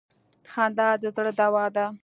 خندا د زړه دوا ده.